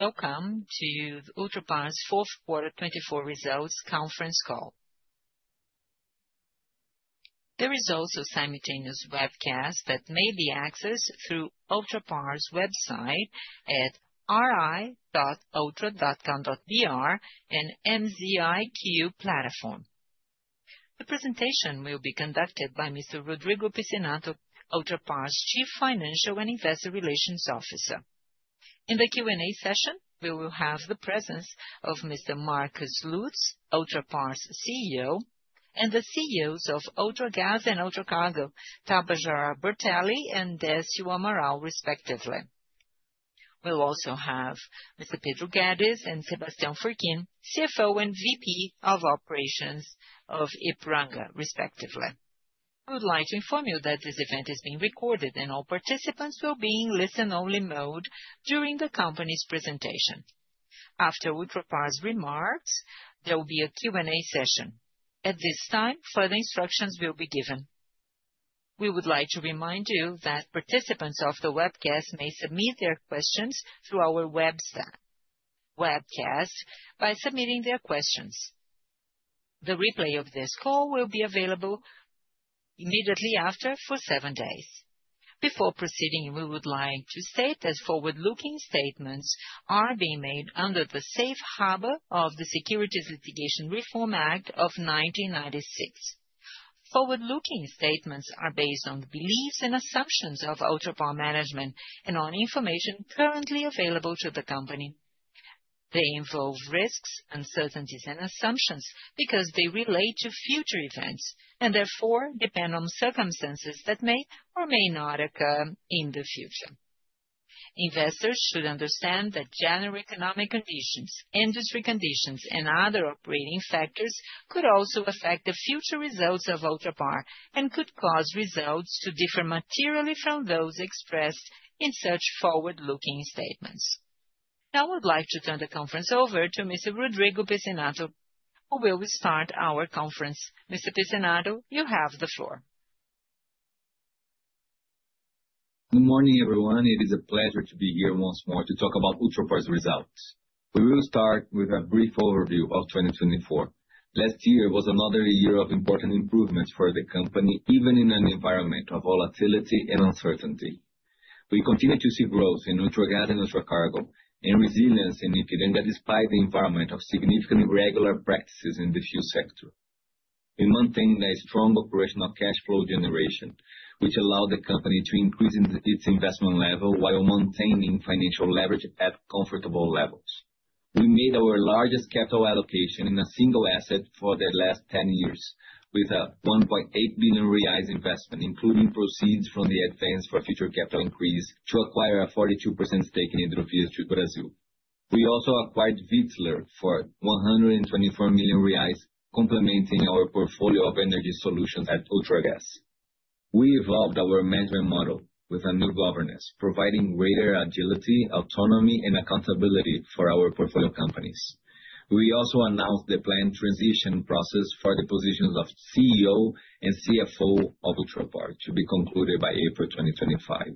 Welcome to the Ultrapar Fourth Quarter 2024 results conference call. There is also simultaneous webcast that may be accessed through Ultrapar's website at ri.ultrapar.com.br and MZiQ platform. The presentation will be conducted by Mr. Rodrigo Pizzinatto, Ultrapar Chief Financial and Investor Relations Officer. In the Q&A session, we will have the presence of Mr. Marcos Lutz, Ultrapar CEO, and the CEOs of Ultragaz and Ultracargo, Tabajara Bertelli and Décio Amaral, respectively. We'll also have Mr. Pedro Guedes and Sebastião Furquim, CFO and VP of Operations of Ipiranga, respectively. We would like to inform you that this event is being recorded and all participants will be in listen-only mode during the company's presentation. After Ultrapar's remarks, there will be a Q&A session. At this time, further instructions will be given. We would like to remind you that participants of the webcast may submit their questions through our webcast by submitting their questions. The replay of this call will be available immediately after for seven days. Before proceeding, we would like to state that forward-looking statements are being made under the Safe Harbor of the Private Securities Litigation Reform Act of 1996. Forward-looking statements are based on the beliefs and assumptions of Ultrapar management and on information currently available to the company. They involve risks, uncertainties, and assumptions because they relate to future events and therefore depend on circumstances that may or may not occur in the future. Investors should understand that general economic conditions, industry conditions, and other operating factors could also affect the future results of Ultrapar and could cause results to differ materially from those expressed in such forward-looking statements. Now, I would like to turn the conference over to Mr. Rodrigo Pizzinatto, who will start our conference. Mr. Pizzinatto, you have the floor. Good morning, everyone. It is a pleasure to be here once more to talk about Ultrapar's results. We will start with a brief overview of 2024. Last year was another year of important improvements for the company, even in an environment of volatility and uncertainty. We continue to see growth in Ultragaz and Ultracargo and resilience in Ipiranga despite the environment of significant irregular practices in the fuel sector. We maintained a strong operational cash flow generation, which allowed the company to increase its investment level while maintaining financial leverage at comfortable levels. We made our largest capital allocation in a single asset for the last 10 years with a 1.8 billion investment, including proceeds from the advance for future capital increase to acquire a 42% stake in Hidrovias do Brasil. We also acquired Witzler for 124 million reais, complementing our portfolio of energy solutions at Ultragaz. We evolved our management model with a new governance, providing greater agility, autonomy, and accountability for our portfolio companies. We also announced the planned transition process for the positions of CEO and CFO of Ultrapar to be concluded by April 2025.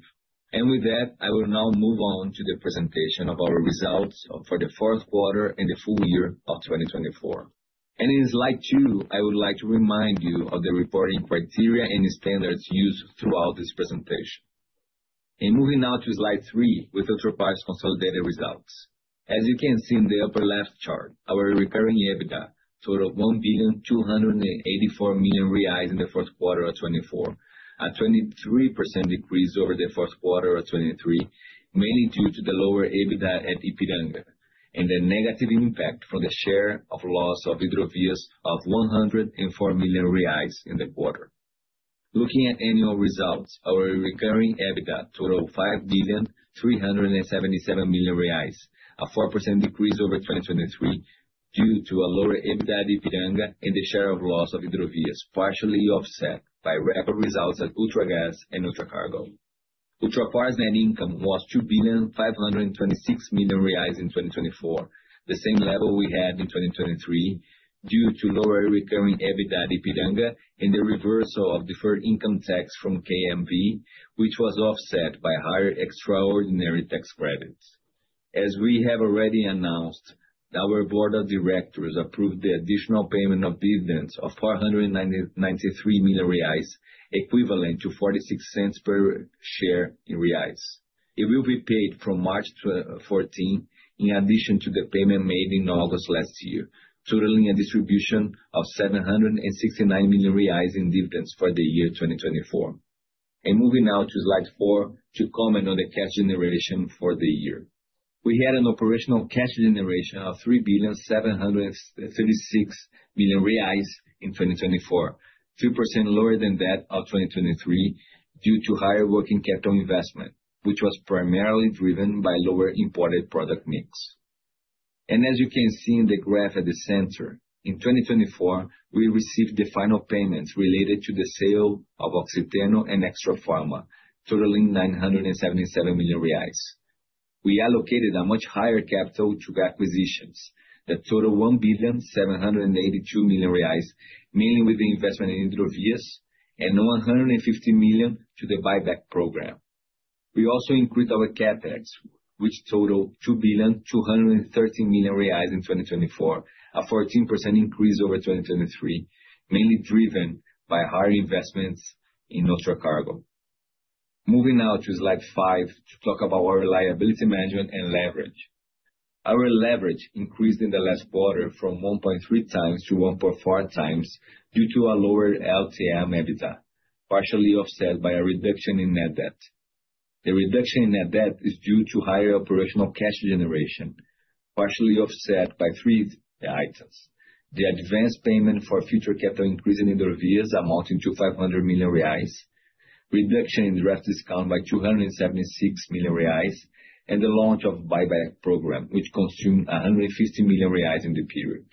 With that, I will now move on to the presentation of our results for the fourth quarter and the full year of 2024. In slide 2, I would like to remind you of the reporting criteria and standards used throughout this presentation. Moving now to slide 3 with Ultrapar's consolidated results. As you can see in the upper left chart, our recurring EBITDA totaled 1,284,000,000 reais in the fourth quarter of 2024, a 23% decrease over the fourth quarter of 2023, mainly due to the lower EBITDA at Ipiranga and the negative impact from the share of loss of Hidrovias of 104 million reais in the quarter. Looking at annual results, our recurring EBITDA totaled 5,377,000,000 reais, a 4% decrease over 2023 due to a lower EBITDA at Ipiranga and the share of loss of Hidrovias, partially offset by record results at Ultragaz and Ultracargo. Ultrapar's net income was 2,526,000,000 in 2024, the same level we had in 2023 due to lower recurring EBITDA at Ipiranga and the reversal of deferred income tax from KMV, which was offset by higher extraordinary tax credits. As we have already announced, our board of directors approved the additional payment of dividends of 493 million reais, equivalent to 0.46 per share. It will be paid from March 2024, in addition to the payment made in August last year, totaling a distribution of 769 million reais in dividends for the year 2024. And moving now to slide 4 to comment on the cash generation for the year. We had an operational cash generation of 3,736,000,000 reais in 2024, 2% lower than that of 2023 due to higher working capital investment, which was primarily driven by lower imported product mix. And as you can see in the graph at the center, in 2024, we received the final payments related to the sale of Oxiteno and Extrafarma, totaling 977 million reais. We allocated a much higher capital to acquisitions that totaled 1,782,000,000 reais, mainly with the investment in Hidrovias and 150 million to the buyback program. We also increased our capital expenditure, which totaled 2,213,000,000 reais in 2024, a 14% increase over 2023, mainly driven by higher investments in Ultracargo. Moving now to slide 5 to talk about our liability management and leverage. Our leverage increased in the last quarter from 1.3x-1.4x due to a lower LTM EBITDA, partially offset by a reduction in net debt. The reduction in net debt is due to higher operational cash generation, partially offset by three items: the advance payment for future capital increase in Hidrovias amounting to 500 million reais, reduction in draft discount by 276 million reais, and the launch of buyback program, which consumed 150 million reais in the period.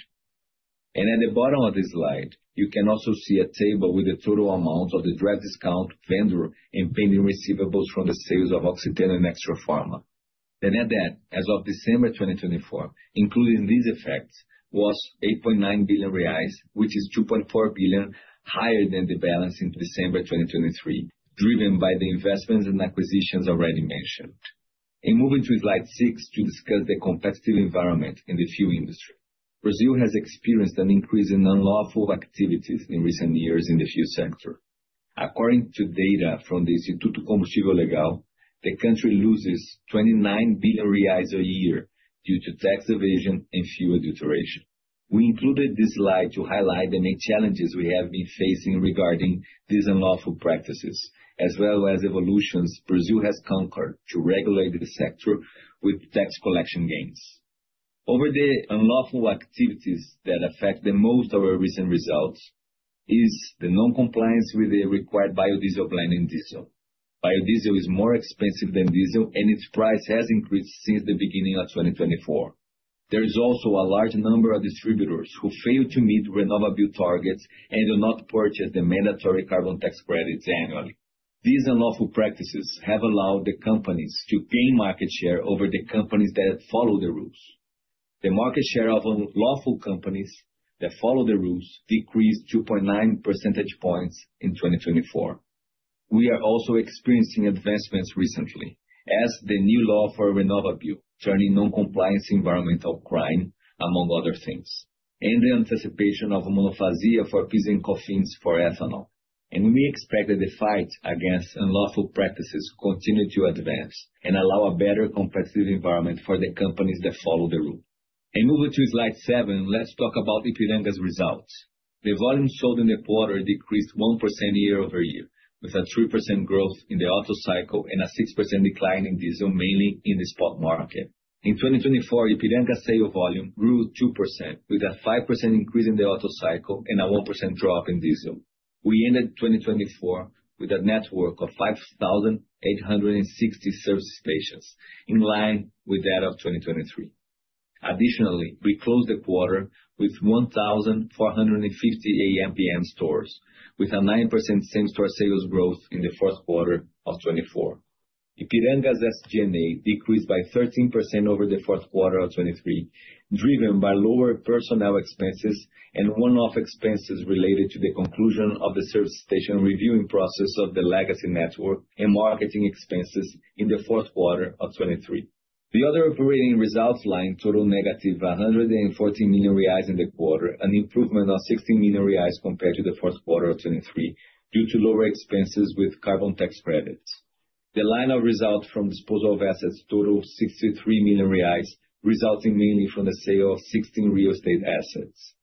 At the bottom of this slide, you can also see a table with the total amount of the draft discount, vendor, and pending receivables from the sales of Oxiteno and Extrafarma. The net debt as of December 2024, including these effects, was 8.9 billion reais, which is 2.4 billion higher than the balance in December 2023, driven by the investments and acquisitions already mentioned. Moving to slide 6 to discuss the competitive environment in the fuel industry. Brazil has experienced an increase in unlawful activities in recent years in the fuel sector. According to data from the Instituto Combustível Legal, the country loses 29 billion reais a year due to tax evasion and fuel adulteration. We included this slide to highlight the main challenges we have been facing regarding these unlawful practices, as well as evolutions Brazil has conquered to regulate the sector with tax collection gains. Of the unlawful activities that affect the most our recent results is the non-compliance with the required biodiesel blend in diesel. Biodiesel is more expensive than diesel, and its price has increased since the beginning of 2024. There is also a large number of distributors who fail to meet renewable targets and do not purchase the mandatory carbon tax credits annually. These unlawful practices have allowed the companies to gain market share over the companies that follow the rules. The market share of the companies that follow the rules decreased 2.9 percentage points in 2024. We are also experiencing advancements recently, as the new law for renewable fuel turning non-compliance environmental crime, among other things, and the anticipation of a monophasic tax for PIS/COFINS for ethanol. We expect that the fight against unlawful practices will continue to advance and allow a better competitive environment for the companies that follow the rule. Moving to slide 7, let's talk about Ipiranga's results. The volume sold in the quarter decreased 1% year-over-year, with a 3% growth in the Otto cycle and a 6% decline in diesel, mainly in the spot market. In 2024, Ipiranga's sale volume grew 2%, with a 5% increase in the Otto cycle and a 1% drop in diesel. We ended 2024 with a network of 5,860 service stations, in line with that of 2023. Additionally, we closed the quarter with 1,450 AmPm stores, with a 9% same-store sales growth in the fourth quarter of 2024. Ipiranga's SG&A decreased by 13% over the fourth quarter of 2023, driven by lower personnel expenses and one-off expenses related to the conclusion of the service station reviewing process of the legacy network and marketing expenses in the fourth quarter of 2023. The other operating results line totaled negative 114 million reais in the quarter, an improvement of 16 million reais compared to the fourth quarter of 2023 due to lower expenses with carbon tax credits. The line of results from disposal of assets totaled 63 million reais, resulting mainly from the sale of 16 real estate assets.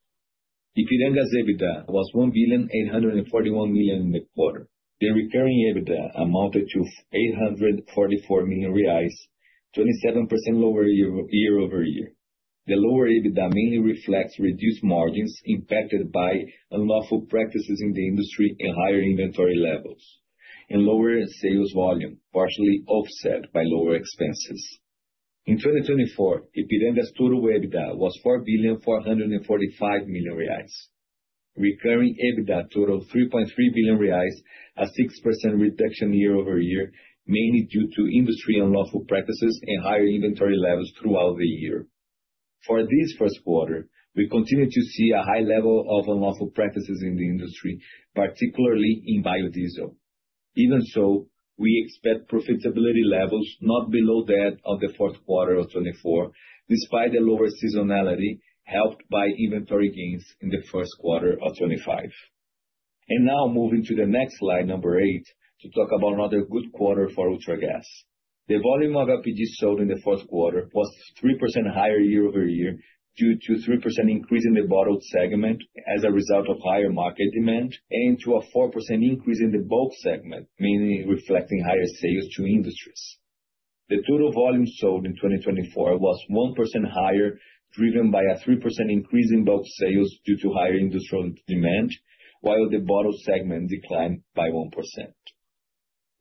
Ipiranga's EBITDA was 1,841,000,000 in the quarter. The recurring EBITDA amounted to 844 million reais, 27% lower year-over-year. The lower EBITDA mainly reflects reduced margins impacted by unlawful practices in the industry and higher inventory levels, and lower sales volume, partially offset by lower expenses. In 2024, Ipiranga's total EBITDA was 4,445,000,000 reais. Recurring EBITDA totaled 3.3 billion reais, a 6% reduction year-over-year, mainly due to industry unlawful practices and higher inventory levels throughout the year. For this first quarter, we continue to see a high level of unlawful practices in the industry, particularly in biodiesel. Even so, we expect profitability levels not below that of the fourth quarter of 2024, despite the lower seasonality helped by inventory gains in the first quarter of 2025. Now, moving to the next slide, number 8, to talk about another good quarter for Ultragaz. The volume of LPG sold in the fourth quarter was 3% higher year-over-year due to a 3% increase in the bottled segment as a result of higher market demand and to a 4% increase in the bulk segment, mainly reflecting higher sales to industries. The total volume sold in 2024 was 1% higher, driven by a 3% increase in bulk sales due to higher industrial demand, while the bottled segment declined by 1%.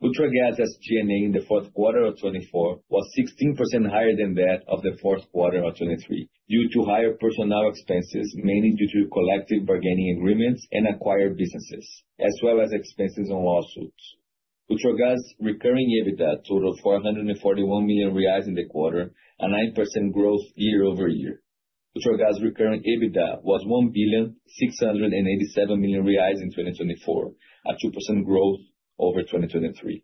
Ultragaz's SG&A in the fourth quarter of 2024 was 16% higher than that of the fourth quarter of 2023 due to higher personnel expenses, mainly due to collective bargaining agreements and acquired businesses, as well as expenses on lawsuits. Ultragaz's recurring EBITDA totaled 441 million reais in the quarter, a 9% growth year-over-year. Ultragaz's recurring EBITDA was 1,687,000,000 reais in 2024, a 2% growth over 2023.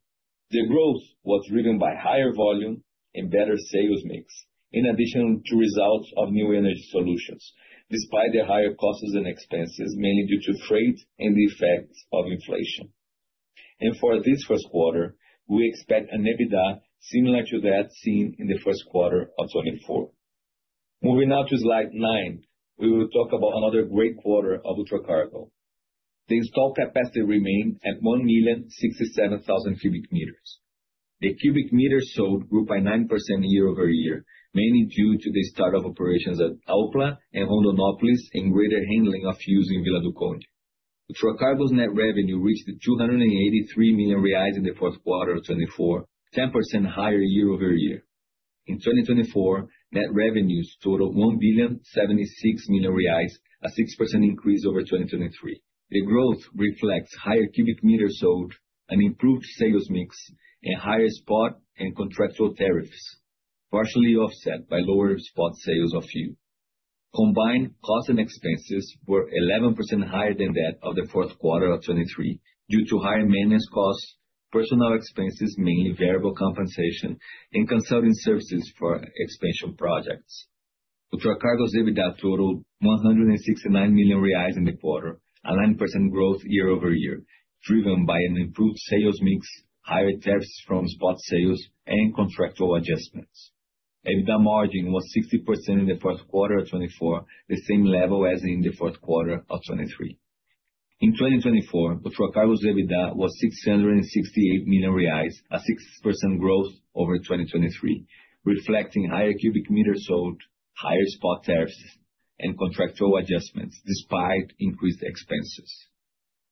The growth was driven by higher volume and better sales mix, in addition to results of new energy solutions, despite the higher costs and expenses, mainly due to freight and the effects of inflation. For this first quarter, we expect an EBITDA similar to that seen in the first quarter of 2024. Moving now to slide 9, we will talk about another great quarter of Ultracargo. The installed capacity remained at 1,067,000 cubic meters. The cubic meters sold grew by 9% year-over-year, mainly due to the start of operations at Opla and Rondonópolis and greater handling of fuels in Vila do Conde. Ultracargo's net revenue reached 283 million reais in the fourth quarter of 2024, 10% higher year-over-year. In 2024, net revenues totaled 1,076,000,000 reais, a 6% increase over 2023. The growth reflects higher cubic meters sold, an improved sales mix, and higher spot and contractual tariffs, partially offset by lower spot sales of fuel. Combined, costs and expenses were 11% higher than that of the fourth quarter of 2023 due to higher maintenance costs, personnel expenses, mainly variable compensation, and consulting services for expansion projects. Ultracargo's EBITDA totaled 169 million reais in the quarter, a 9% growth year-over-year, driven by an improved sales mix, higher tariffs from spot sales, and contractual adjustments. EBITDA margin was 60% in the fourth quarter of 2024, the same level as in the fourth quarter of 2023. In 2024, Ultracargo's EBITDA was 668 million reais, a 6% growth over 2023, reflecting higher cubic meters sold, higher spot tariffs, and contractual adjustments despite increased expenses.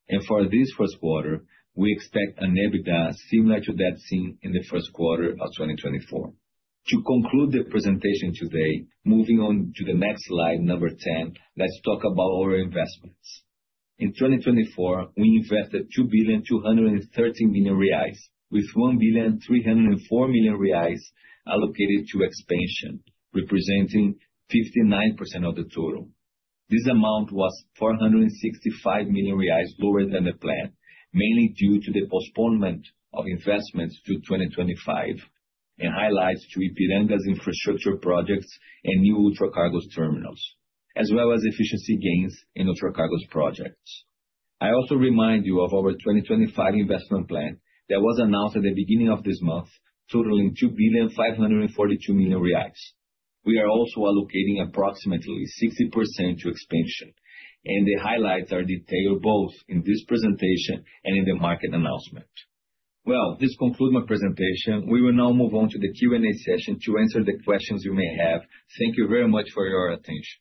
And for this first quarter, we expect an EBITDA similar to that seen in the first quarter of 2024. To conclude the presentation today, moving on to the next slide, number 10, let's talk about our investments. In 2024, we invested 2,213,000,000 reais, with 1,304,000,000 reais allocated to expansion, representing 59% of the total. This amount was 465 million reais lower than the plan, mainly due to the postponement of investments to 2025 and highlights to Ipiranga's infrastructure projects and new Ultracargo terminals, as well as efficiency gains in Ultracargo's projects. I also remind you of our 2025 investment plan that was announced at the beginning of this month, totaling 2,542,000,000 reais. We are also allocating approximately 60% to expansion, and the highlights are detailed both in this presentation and in the market announcement. This concludes my presentation. We will now move on to the Q&A session to answer the questions you may have. Thank you very much for your attention.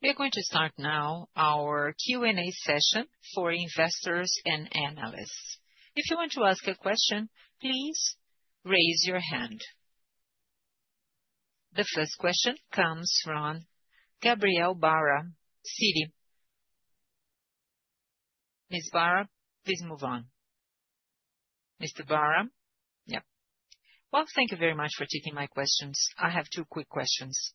We are going to start now our Q&A session for investors and analysts. If you want to ask a question, please raise your hand. The first question comes from Gabriel Barra, Citi. Ms. Barra, please move on. Mr. Barra. Yep. Well, thank you very much for taking my questions. I have two quick questions.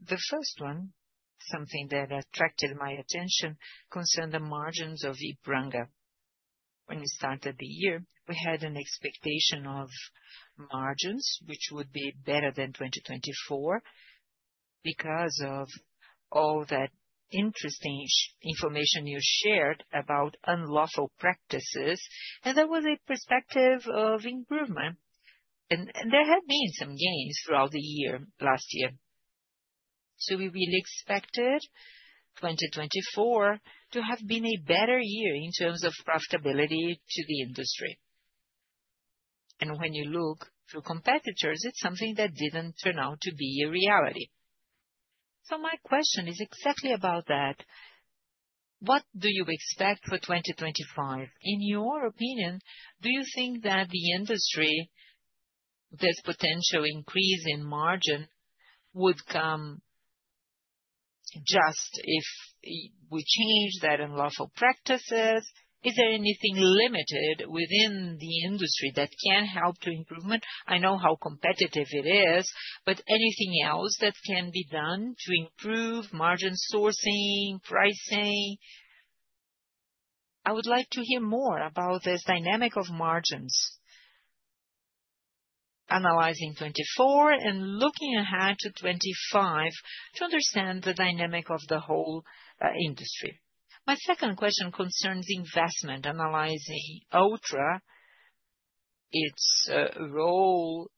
The first one, something that attracted my attention, concerned the margins of Ipiranga. When we started the year, we had an expectation of margins which would be better than 2024 because of all that interesting information you shared about unlawful practices, and there was a perspective of improvement, and there had been some gains throughout the year last year, so we will expect 2024 to have been a better year in terms of profitability to the industry, and when you look through competitors, it's something that didn't turn out to be a reality, so my question is exactly about that. What do you expect for 2025? In your opinion, do you think that the industry, this potential increase in margin, would come just if we change that unlawful practices? Is there anything limited within the industry that can help to improvement? I know how competitive it is, but anything else that can be done to improve margin sourcing, pricing? I would like to hear more about this dynamic of margins, analyzing 2024 and looking ahead to 2025 to understand the dynamic of the whole industry. My second question concerns investment, analyzing Ultra, its role.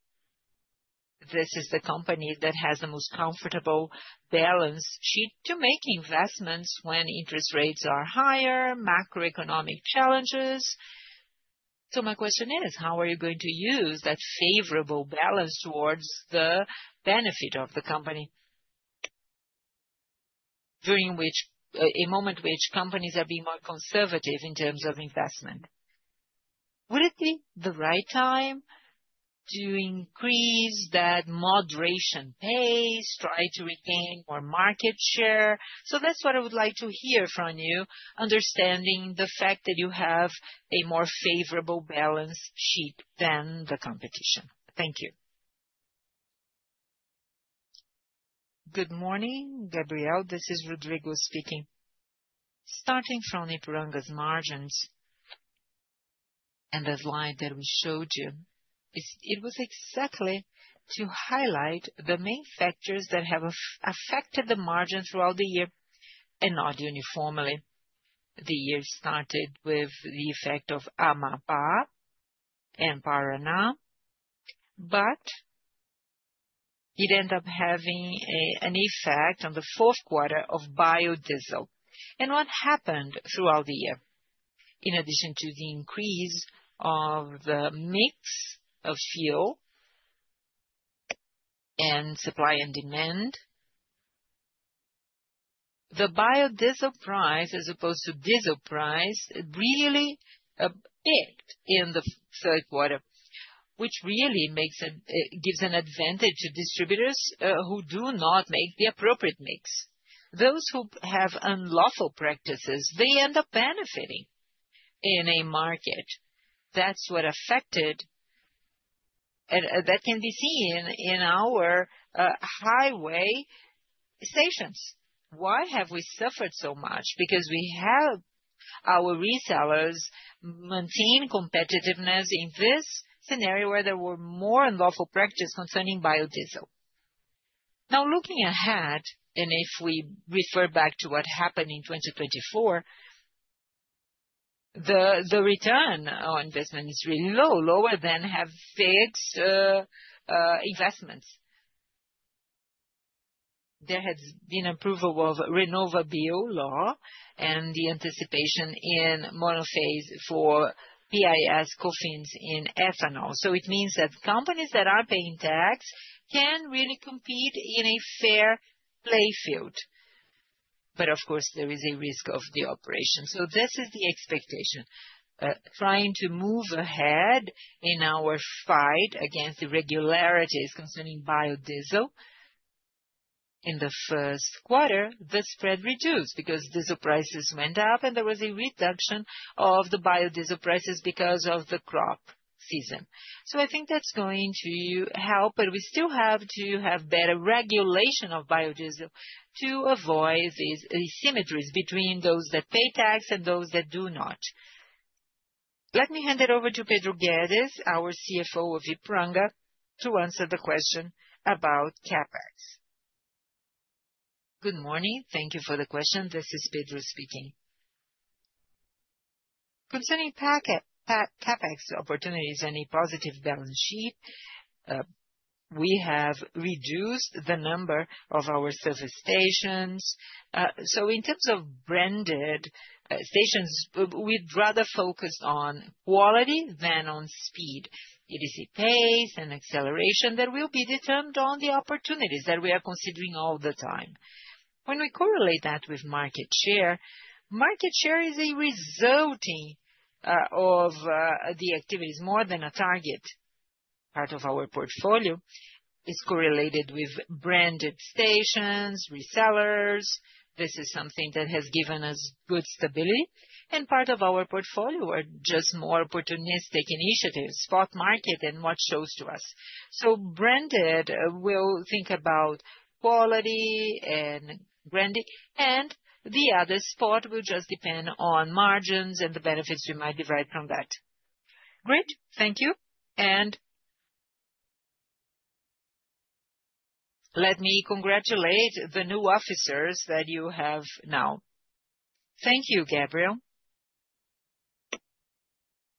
This is the company that has the most comfortable balance sheet to make investments when interest rates are higher, macroeconomic challenges. So my question is, how are you going to use that favorable balance towards the benefit of the company during which a moment which companies are being more conservative in terms of investment? Would it be the right time to increase that moderation pace, try to retain more market share? So that's what I would like to hear from you, understanding the fact that you have a more favorable balance sheet than the competition. Thank you. Good morning, Gabriel. This is Rodrigo speaking. Starting from Ipiranga's margins and the slide that we showed you, it was exactly to highlight the main factors that have affected the margin throughout the year and not uniformly. The year started with the effect of Amapá and Paraná, but it ended up having an effect on the fourth quarter of biodiesel, and what happened throughout the year. In addition to the increase of the mix of fuel and supply and demand, the biodiesel price, as opposed to diesel price, really peaked in the third quarter, which really gives an advantage to distributors who do not make the appropriate mix. Those who have unlawful practices, they end up benefiting in a market. That's what affected that can be seen in our highway stations. Why have we suffered so much? Because we have our resellers maintaining competitiveness in this scenario where there were more unlawful practices concerning biodiesel. Now, looking ahead, and if we refer back to what happened in 2024, the return on investment is really low, lower than have fixed investments. There has been approval of RenovaBio law and the anticipation in monophasic for PIS/COFINS in ethanol. So it means that companies that are paying tax can really compete in a fair play field. But of course, there is a risk of the operation. So this is the expectation. Trying to move ahead in our fight against the irregularities concerning biodiesel. In the first quarter, the spread reduced because diesel prices went up and there was a reduction of the biodiesel prices because of the crop season. So I think that's going to help, but we still have to have better regulation of biodiesel to avoid these asymmetries between those that pay tax and those that do not. Let me hand it over to Pedro Guedes, our CFO of Ipiranga, to answer the question about CapEx. Good morning. Thank you for the question. This is Pedro speaking. Concerning CapEx opportunities and a positive balance sheet, we have reduced the number of our service stations. So in terms of branded stations, we'd rather focus on quality than on quantity. It is a pace and acceleration that will be determined on the opportunities that we are considering all the time. When we correlate that with market share, market share is a result of the activities more than a target. Part of our portfolio is correlated with branded stations, resellers. This is something that has given us good stability. And part of our portfolio are just more opportunistic initiatives, spot market, and what shows to us. So branded, we'll think about quality and branding, and the other spot will just depend on margins and the benefits we might derive from that. Great. Thank you. And let me congratulate the new officers that you have now. Thank you, Gabriel.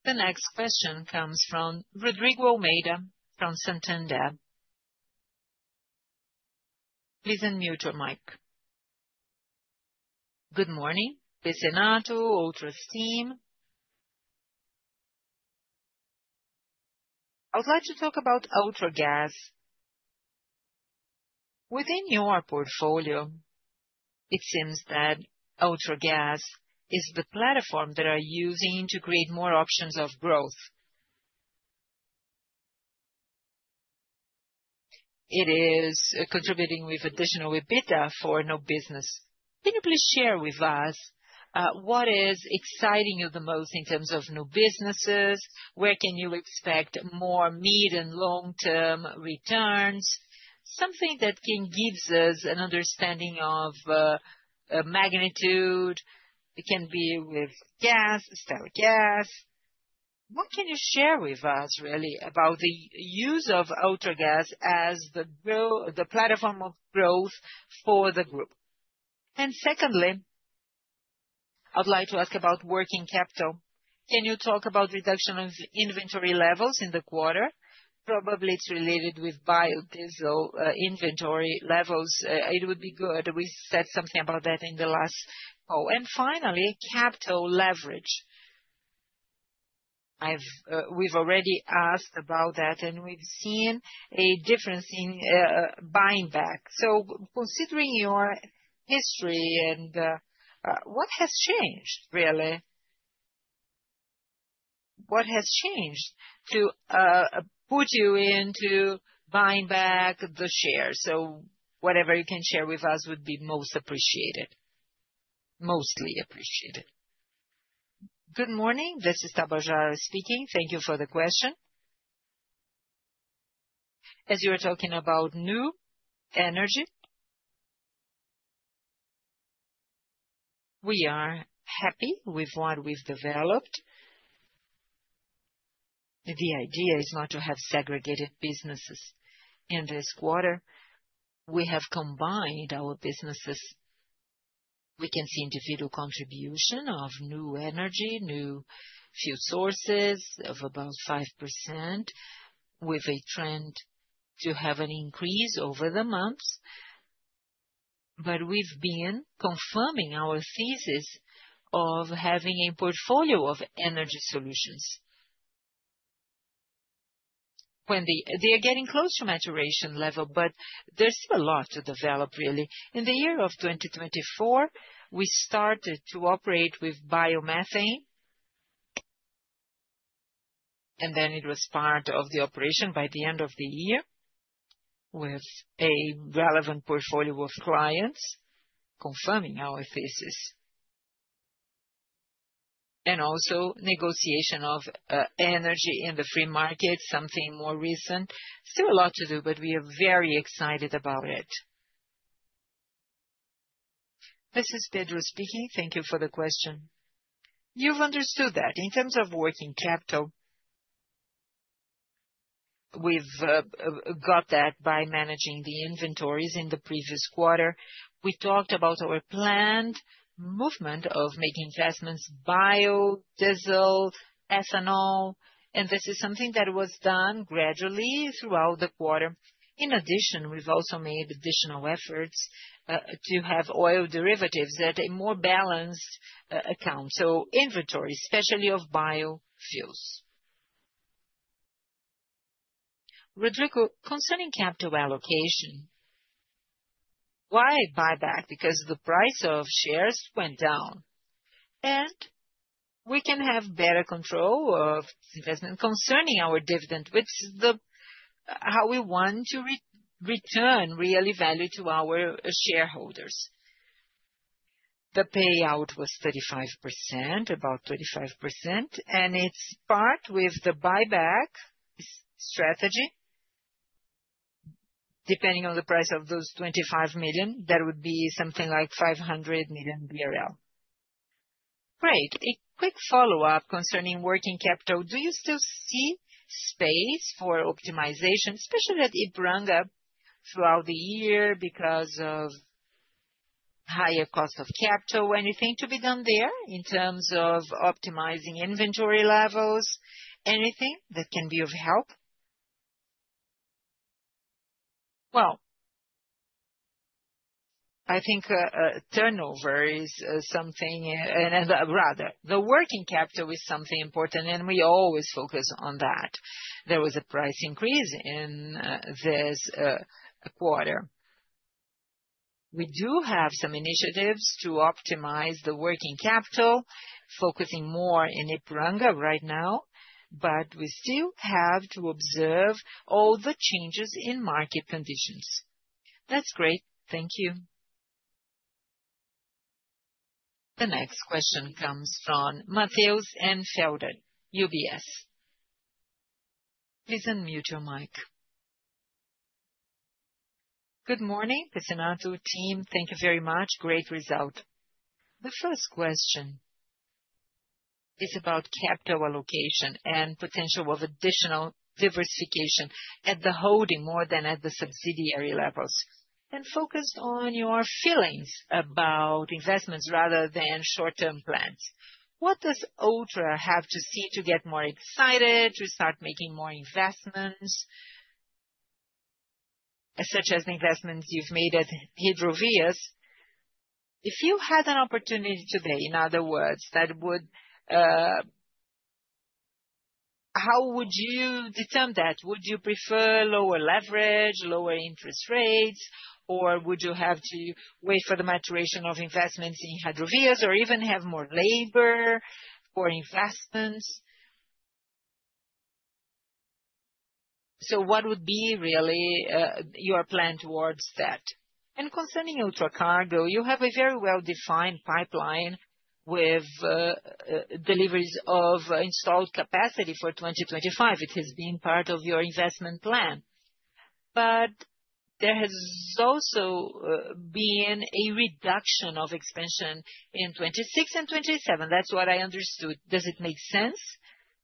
The next question comes from Rodrigo Almeida from Santander. Please unmute your mic. Good morning. Pizzinatto, Ultragaz. I would like to talk about Ultragaz. Within your portfolio, it seems that Ultragaz is the platform that are using to create more options of growth. It is contributing with additional EBITDA for new business. Can you please share with us what is exciting you the most in terms of new businesses? Where can you expect more mid and long-term returns? Something that gives us an understanding of magnitude. It can be with gas, sterile gas. What can you share with us, really, about the use of Ultragaz as the platform of growth for the group? And secondly, I'd like to ask about working capital. Can you talk about reduction of inventory levels in the quarter? Probably it's related with biodiesel inventory levels. It would be good. We said something about that in the last call. And finally, capital leverage. We've already asked about that, and we've seen a difference in buying back. So considering your history and what has changed, really? What has changed to put you into buying back the share? So whatever you can share with us would be most appreciated, mostly appreciated. Good morning. This is Tabajara speaking. Thank you for the question. As you were talking about new energy, we are happy with what we've developed. The idea is not to have segregated businesses in this quarter. We have combined our businesses. We can see individual contribution of new energy, new fuel sources of about 5%, with a trend to have an increase over the months. But we've been confirming our thesis of having a portfolio of energy solutions. They are getting close to maturation level, but there's still a lot to develop, really. In the year of 2024, we started to operate with biomethane. And then it was part of the operation by the end of the year with a relevant portfolio of clients confirming our thesis. And also negotiation of energy in the free market, something more recent. Still a lot to do, but we are very excited about it. This is Pedro speaking. Thank you for the question. You've understood that. In terms of working capital, we've got that by managing the inventories in the previous quarter. We talked about our planned movement of making investments in biodiesel, ethanol, and this is something that was done gradually throughout the quarter. In addition, we've also made additional efforts to have oil derivatives at a more balanced account. So inventory, especially of biofuels. Rodrigo, concerning capital allocation, why buy back? Because the price of shares went down, and we can have better control of investment concerning our dividend, which is how we want to return really value to our shareholders. The payout was 35%, about 35%, and it's part with the buyback strategy. Depending on the price of those 25 million, that would be something like 500 million BRL. Great. A quick follow-up concerning working capital. Do you still see space for optimization, especially at Ipiranga, throughout the year because of higher cost of capital? Anything to be done there in terms of optimizing inventory levels? Anything that can be of help? Well, I think turnover is something, and rather, the working capital is something important, and we always focus on that. There was a price increase in this quarter. We do have some initiatives to optimize the working capital, focusing more in Ipiranga right now, but we still have to observe all the changes in market conditions. That's great. Thank you. The next question comes from Matheus Enfeldt, UBS. Please unmute your mic. Good morning, Pizzinatto, team. Thank you very much. Great result. The first question is about capital allocation and potential of additional diversification at the holding more than at the subsidiary levels. And focused on your feelings about investments rather than short-term plans. What does Ultra have to see to get more excited, to start making more investments, such as the investments you've made at Hidrovias? If you had an opportunity today, in other words, that, how would you determine that? Would you prefer lower leverage, lower interest rates, or would you have to wait for the maturation of investments in Hidrovias or even have more leverage for investments? So, what would be really your plan towards that? Concerning Ultracargo, you have a very well-defined pipeline with deliveries of installed capacity for 2025. It has been part of your investment plan, but there has also been a reduction of expansion in 2026 and 2027. That's what I understood. Does it make sense?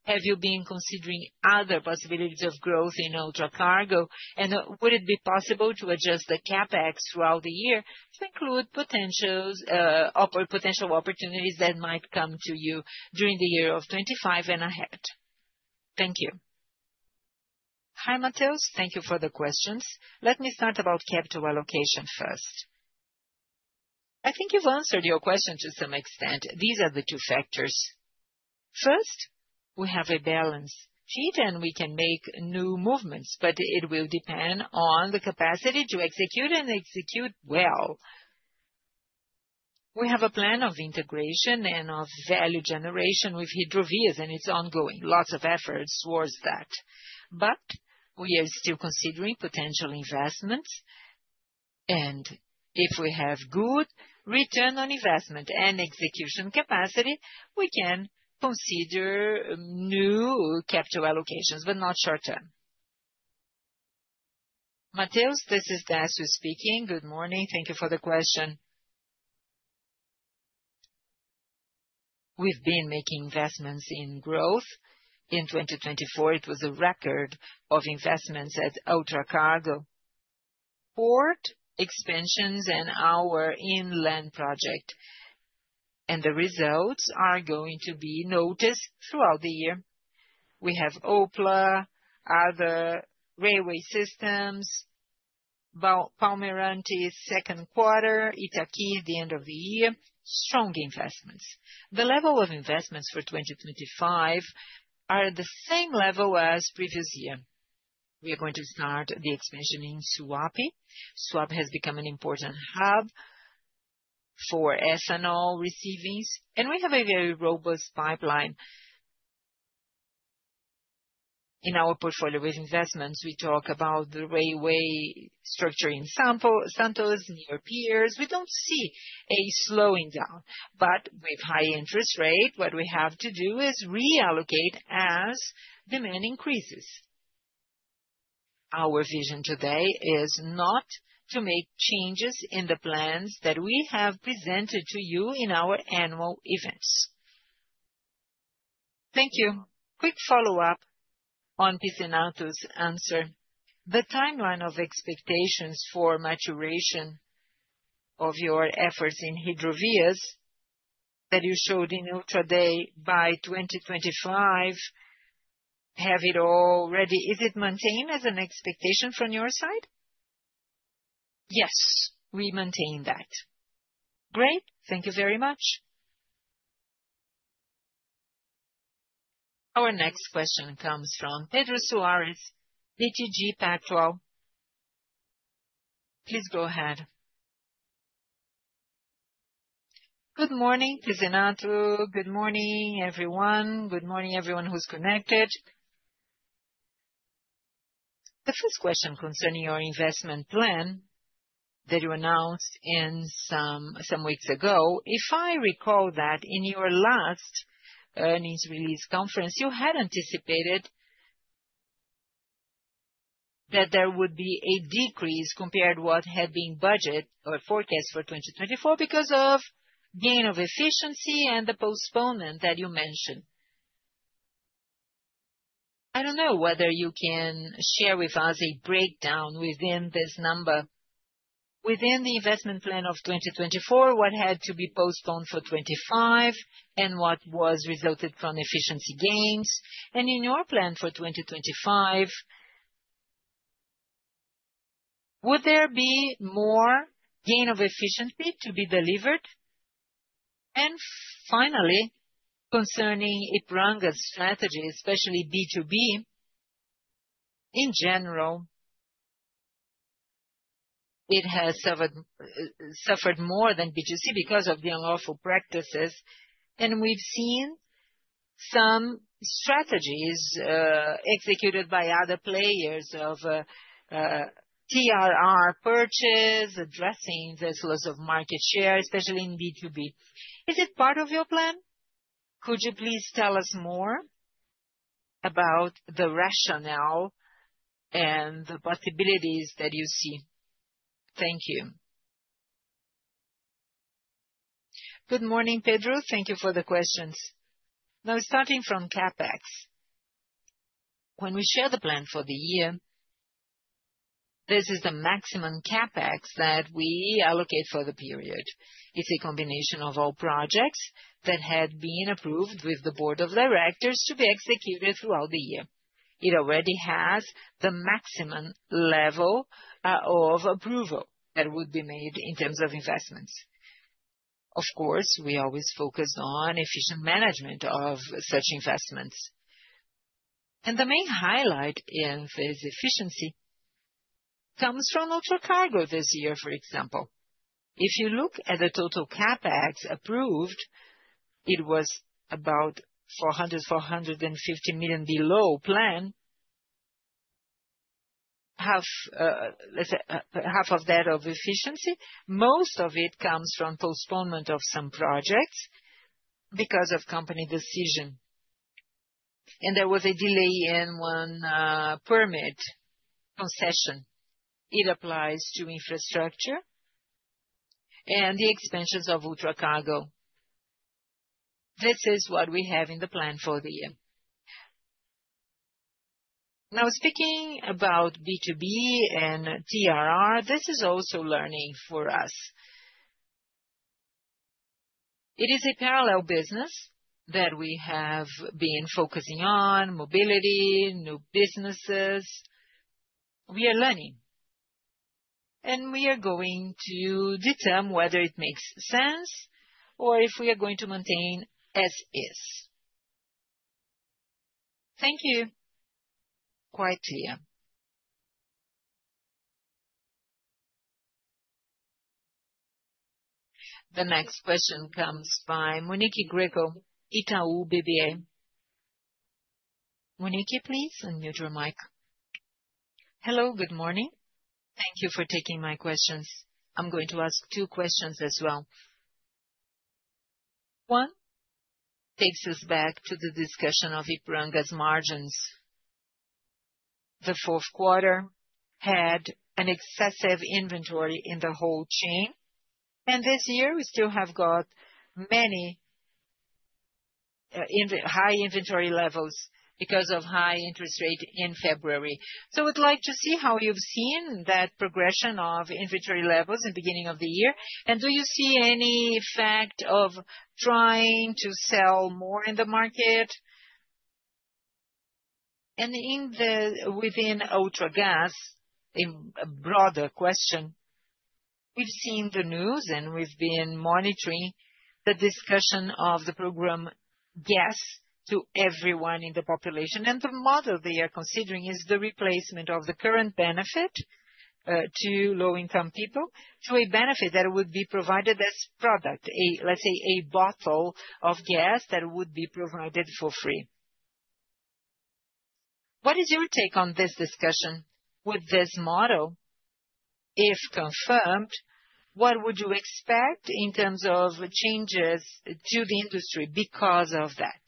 Have you been considering other possibilities of growth in Ultracargo? Would it be possible to adjust the CapEx throughout the year to include potential opportunities that might come to you during the year of 2025 and ahead? Thank you. Hi, Matheus. Thank you for the questions. Let me start about capital allocation first. I think you've answered your question to some extent. These are the two factors. First, we have a balance sheet, and we can make new movements, but it will depend on the capacity to execute and execute well. We have a plan of integration and of value generation with Hidrovias, and it's ongoing. Lots of efforts towards that. But we are still considering potential investments. And if we have good return on investment and execution capacity, we can consider new capital allocations, but not short-term. Matheus, this is Décio speaking. Good morning. Thank you for the question. We've been making investments in growth. In 2024, it was a record of investments at Ultracargo, port expansions, and our inland project. And the results are going to be noticed throughout the year. We have Opla, other railway systems, Palmeira until second quarter, Itaqui at the end of the year. Strong investments. The level of investments for 2025 are at the same level as previous year. We are going to start the expansion in Suape. Suape has become an important hub for ethanol receivings, and we have a very robust pipeline in our portfolio with investments. We talk about the railway structure in Santos, near peers. We don't see a slowing down, but with high interest rate, what we have to do is reallocate as demand increases. Our vision today is not to make changes in the plans that we have presented to you in our annual events. Thank you. Quick follow-up on Pizzinatto's answer. The timeline of expectations for maturation of your efforts in Hidrovias that you showed in Ultra Day by 2025, have it all ready. Is it maintained as an expectation from your side? Yes, we maintain that. Great. Thank you very much. Our next question comes from Pedro Soares, BTG Pactual. Please go ahead. Good morning, Pizzinatto. Good morning, everyone. Good morning, everyone who's connected. The first question concerning your investment plan that you announced some weeks ago. If I recall that in your last earnings release conference, you had anticipated that there would be a decrease compared to what had been budgeted or forecast for 2024 because of gain of efficiency and the postponement that you mentioned. I don't know whether you can share with us a breakdown within this number. Within the investment plan of 2024, what had to be postponed for 2025 and what was resulted from efficiency gains. And in your plan for 2025, would there be more gain of efficiency to be delivered? And finally, concerning Ipiranga's strategy, especially B2B, in general, it has suffered more than B2C because of the unlawful practices. And we've seen some strategies executed by other players of TRR purchase, addressing the flows of market share, especially in B2B. Is it part of your plan? Could you please tell us more about the rationale and the possibilities that you see? Thank you. Good morning, Pedro. Thank you for the questions. Now, starting from CapEx, when we share the plan for the year, this is the maximum CapEx that we allocate for the period. It's a combination of all projects that had been approved with the board of directors to be executed throughout the year. It already has the maximum level of approval that would be made in terms of investments. Of course, we always focus on efficient management of such investments. And the main highlight is, efficiency comes from Ultracargo this year, for example. If you look at the total CapEx approved, it was about 400 million-450 million below plan, half of that of efficiency. Most of it comes from postponement of some projects because of company decision, and there was a delay in one permit concession. It applies to infrastructure and the expansions of Ultracargo. This is what we have in the plan for the year. Now, speaking about B2B and TRR, this is also learning for us. It is a parallel business that we have been focusing on, mobility, new businesses. We are learning, and we are going to determine whether it makes sense or if we are going to maintain as is. Thank you. Quite clear. The next question comes by Monique Greco, Itaú BBA. Monique, please, unmute your mic. Hello, good morning. Thank you for taking my questions. I'm going to ask two questions as well. One takes us back to the discussion of Ipiranga's margins. The fourth quarter had an excessive inventory in the whole chain. This year, we still have got many high inventory levels because of high interest rate in February. We'd like to see how you've seen that progression of inventory levels in the beginning of the year. Do you see any effect of trying to sell more in the market? Within Ultragaz, a broader question: we've seen the news, and we've been monitoring the discussion of the program gas to everyone in the population. The model they are considering is the replacement of the current benefit to low-income people to a benefit that would be provided as product, let's say a bottle of gas that would be provided for free. What is your take on this discussion? With this model, if confirmed, what would you expect in terms of changes to the industry because of that?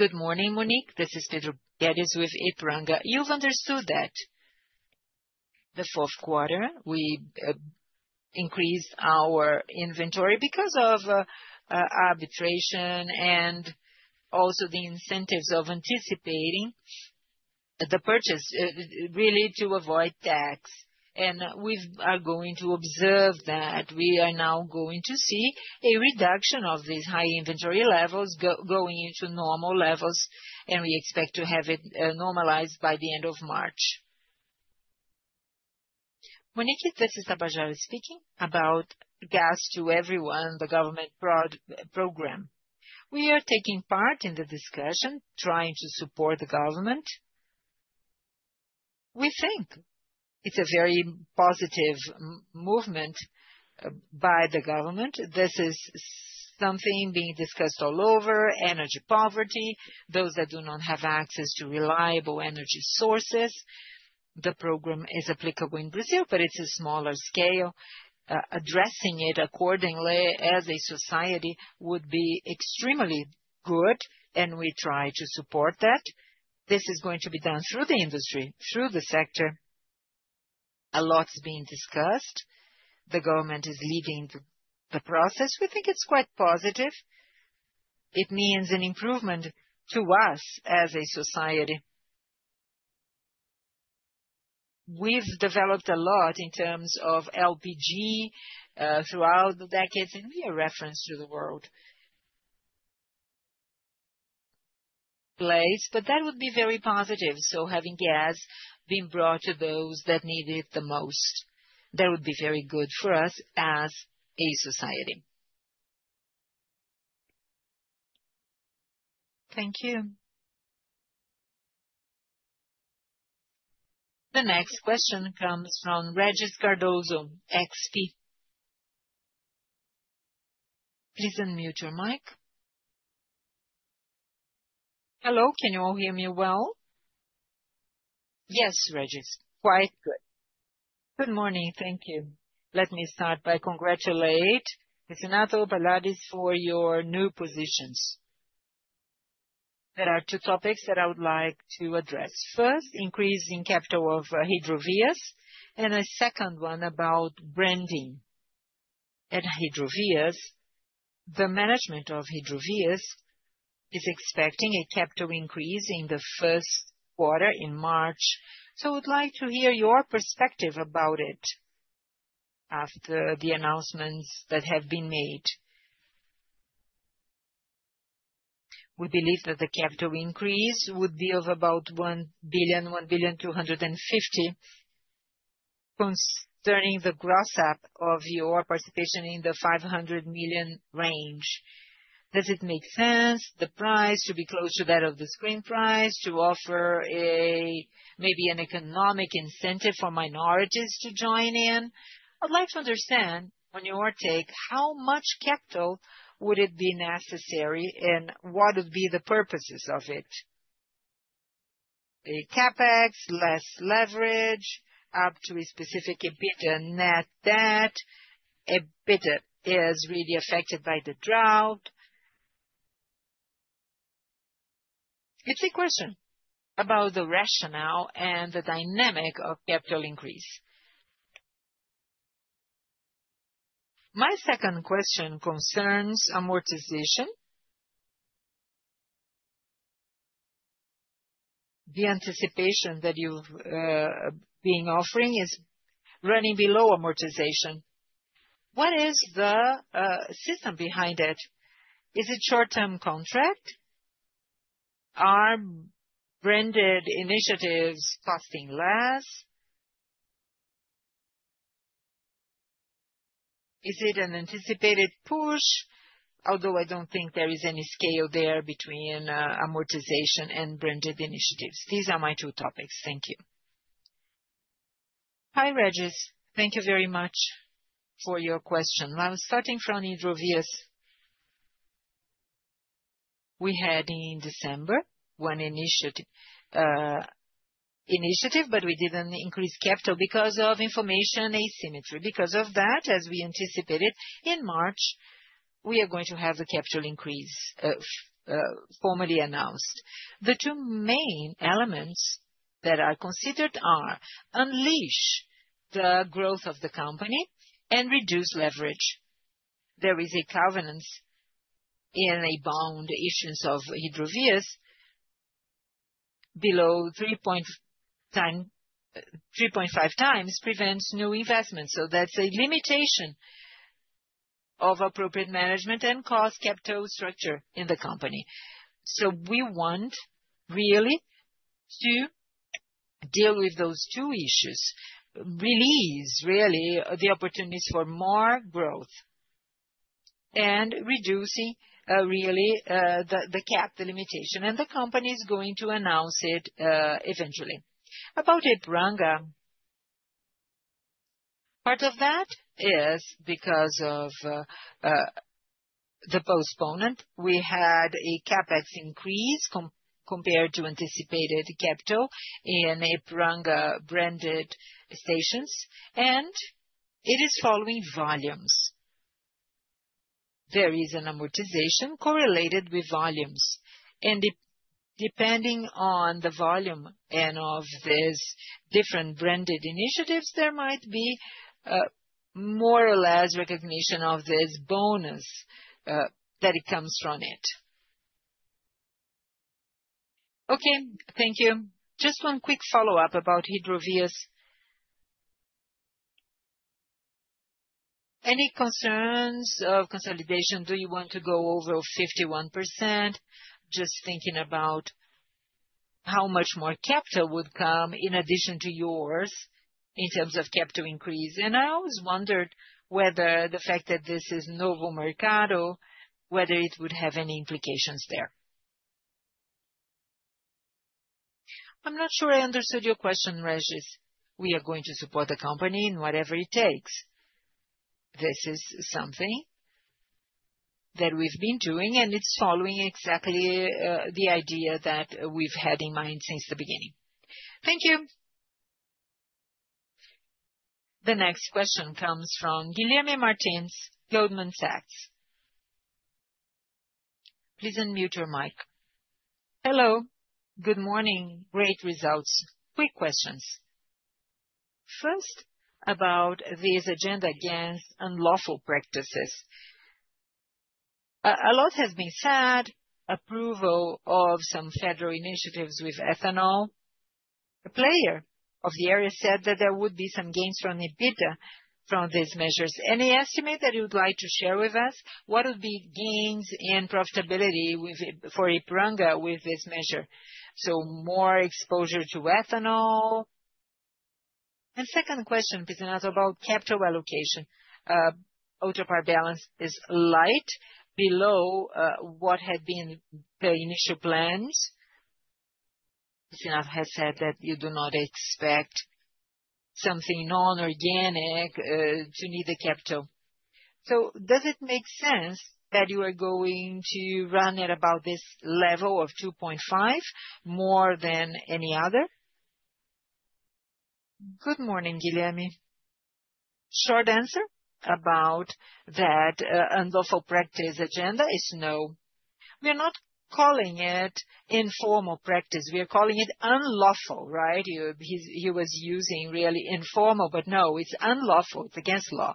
Good morning, Monique. This is Pedro. That is with Ipiranga. You've understood that. The fourth quarter, we increased our inventory because of arbitrage and also the incentives of anticipating the purchase, really to avoid tax. And we are going to observe that we are now going to see a reduction of these high inventory levels going into normal levels, and we expect to have it normalized by the end of March. Monique. Tabajara speaking about gas to everyone, the government program. We are taking part in the discussion, trying to support the government. We think it's a very positive movement by the government. This is something being discussed all over: energy poverty, those that do not have access to reliable energy sources. The program is applicable in Brazil, but it's a smaller scale. Addressing it accordingly as a society would be extremely good, and we try to support that. This is going to be done through the industry, through the sector. A lot's been discussed. The government is leading the process. We think it's quite positive. It means an improvement to us as a society. We've developed a lot in terms of LPG throughout the decades, and we are referenced to the world place, but that would be very positive, so having gas being brought to those that need it the most, that would be very good for us as a society. Thank you. The next question comes from Regis Cardoso, XP. Please unmute your mic. Hello. Can you all hear me well? Yes, Regis. Quite good. Good morning. Thank you. Let me start by congratulating Pizzinatto and Pedro Guedes for your new positions. There are two topics that I would like to address. First, increasing capital of Hidrovias, and a second one about branding at Hidrovias. The management of Hidrovias is expecting a capital increase in the first quarter in March. So I would like to hear your perspective about it after the announcements that have been made. We believe that the capital increase would be of about 1 billion-1.25 billion, concerning the gross up of your participation in the 500 million range. Does it make sense? The price to be close to that of the screen price to offer maybe an economic incentive for minorities to join in. I'd like to understand, on your take, how much capital would it be necessary, and what would be the purposes of it? CapEx, less leverage, up to a specific net debt to EBITDA. EBITDA is really affected by the drought. It's a question about the rationale and the dynamic of capital increase. My second question concerns amortization. The anticipation that you've been offering is running below amortization. What is the system behind it? Is it short-term contract? Are branded initiatives costing less? Is it an anticipated push? Although I don't think there is any scale there between amortization and branded initiatives. These are my two topics. Thank you. Hi, Regis. Thank you very much for your question. Now, starting from Hidrovias, we had in December one initiative, but we didn't increase capital because of information asymmetry. Because of that, as we anticipated, in March, we are going to have a capital increase formally announced. The two main elements that are considered are unleash the growth of the company and reduce leverage. There is a covenant in a bond issuance of Hidrovias below 3.5x prevents new investments. So that's a limitation of appropriate management and cost capital structure in the company. So we want really to deal with those two issues, release really the opportunities for more growth and reducing really the cap, the limitation. And the company is going to announce it eventually. About Ipiranga, part of that is because of the postponement. We had a CapEx increase compared to anticipated capital in Ipiranga branded stations, and it is following volumes. There is an amortization correlated with volumes. And depending on the volume and of these different branded initiatives, there might be more or less recognition of this bonus that it comes from it. Okay. Thank you. Just one quick follow-up about Hidrovias. Any concerns of consolidation? Do you want to go over 51%? Just thinking about how much more capital would come in addition to yours in terms of capital increase. I always wondered whether the fact that this is Novo Mercado, whether it would have any implications there. I'm not sure I understood your question, Regis. We are going to support the company in whatever it takes. This is something that we've been doing, and it's following exactly the idea that we've had in mind since the beginning. Thank you. The next question comes from Guilherme Martins, Goldman Sachs. Please unmute your mic. Hello. Good morning. Great results. Quick questions. First, about this agenda against unlawful practices. A lot has been said. Approval of some federal initiatives with ethanol. A player of the area said that there would be some gains from EBITDA from these measures. Any estimate that you would like to share with us? What would be gains in profitability for Ipiranga with this measure? So more exposure to ethanol. Second question, Pizzinatto, about capital allocation. Capital balance is slightly below what had been the initial plans. Pizzinatto has said that you do not expect something non-organic to need the capital. So does it make sense that you are going to run at about this level of 2.5 billion more than any other? Good morning, Guilherme. Short answer about that unlawful practice agenda is no. We are not calling it informal practice. We are calling it unlawful, right? He was using really informal, but no, it's unlawful. It's against law.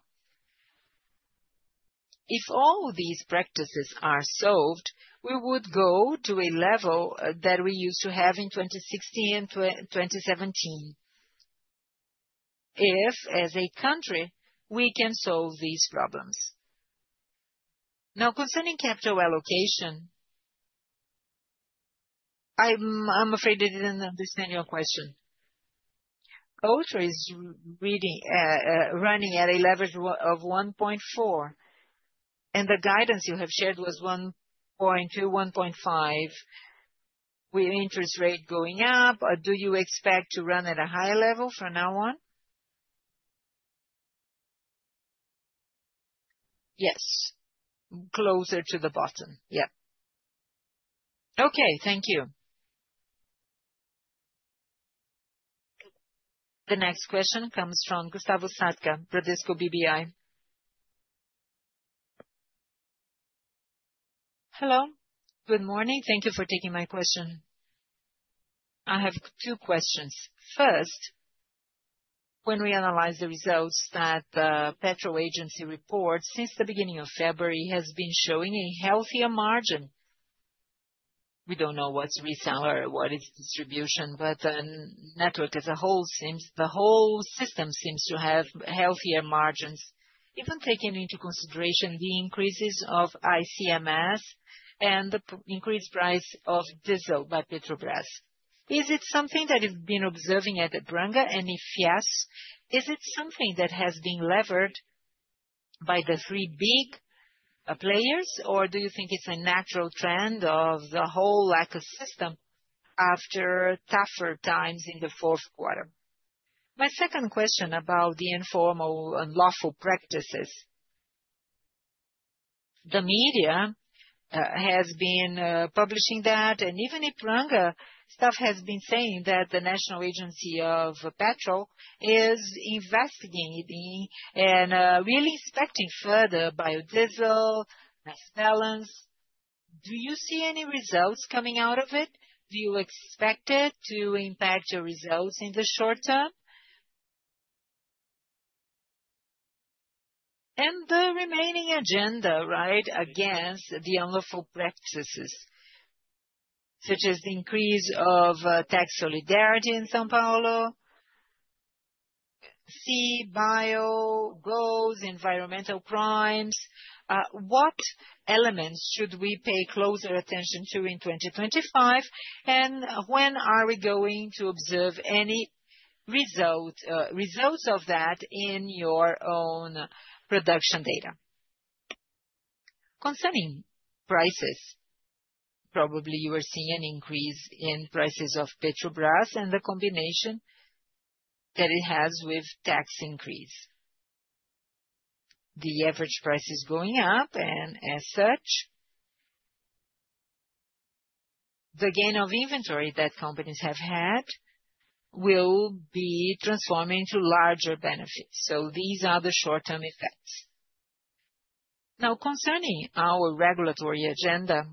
If all these practices are solved, we would go to a level that we used to have in 2016, 2017, if as a country we can solve these problems. Now, concerning capital allocation, I'm afraid I didn't understand your question. Ultrapar is running at a leverage of 1.4 billion, and the guidance you have shared was 1.2 billion-1.5 with interest rate going up. Do you expect to run at a higher level from now on? Yes. Closer to the bottom. Yep. Okay. Thank you. The next question comes from Gustavo Sadka, Bradesco BBI. Hello. Good morning. Thank you for taking my question. I have two questions. First, when we analyze the results that the petroleum agency reports since the beginning of February has been showing a healthier margin. We don't know what's reseller or what is distribution, but the network as a whole, the whole system, seems to have healthier margins, even taking into consideration the increases of ICMS and the increased price of diesel by Petrobras. Is it something that you've been observing at Ipiranga? And if yes, is it something that has been levered by the three big players, or do you think it's a natural trend of the whole ecosystem after tougher times in the fourth quarter? My second question about the informal unlawful practices. The media has been publishing that, and even Ipiranga staff has been saying that the National Agency of Petroleum is investigating and really inspecting further biodiesel, mass balance. Do you see any results coming out of it? Do you expect it to impact your results in the short term? And the remaining agenda, right, against the unlawful practices, such as the increase of tax solidarity in São Paulo, CBIO goals, environmental crimes. What elements should we pay closer attention to in 2025, and when are we going to observe any results of that in your own production data? Concerning prices, probably you are seeing an increase in prices of Petrobras and the combination that it has with tax increase. The average price is going up, and as such, the gain of inventory that companies have had will be transforming to larger benefits. So these are the short-term effects. Now, concerning our regulatory agenda,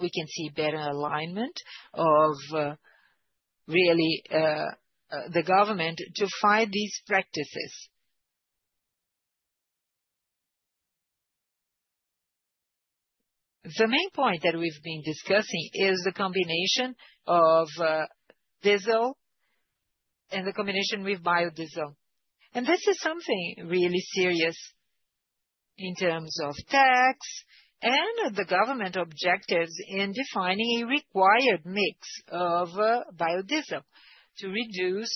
we can see better alignment of really the government to fight these practices. The main point that we've been discussing is the combination of diesel and the combination with biodiesel. And this is something really serious in terms of tax and the government objectives in defining a required mix of biodiesel to reduce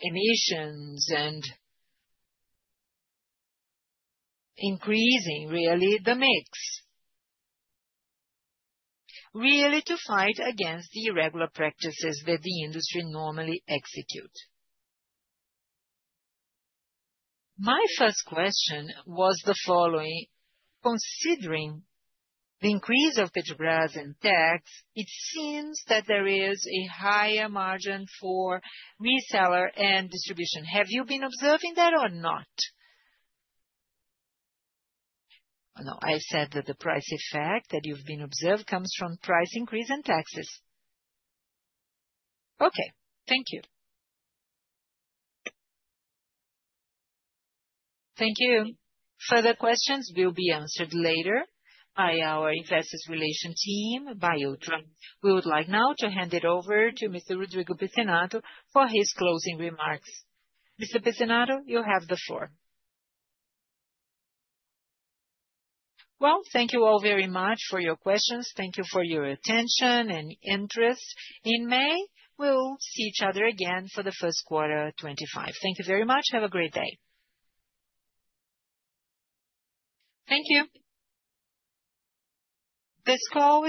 emissions and increasing really the mix. Really to fight against the irregular practices that the industry normally executes. My first question was the following. Considering the increase of Petrobras and tax, it seems that there is a higher margin for reseller and distribution. Have you been observing that or not? No, I said that the price effect that you have observed comes from price increase and taxes. Okay. Thank you. Thank you. Further questions will be answered later by our investor relations team. We would like now to hand it over to Mr. Rodrigo Pizzinatto for his closing remarks. Mr. Pizzinatto, you have the floor. Well, thank you all very much for your questions. Thank you for your attention and interest. In May, we'll see each other again for the first quarter 2025. Thank you very much. Have a great day. Thank you. This call.